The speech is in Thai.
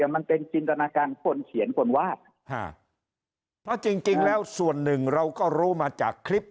มันเป็นจินตนาการคนเขียนคนวาดเพราะจริงแล้วส่วนหนึ่งเราก็รู้มาจากคลิป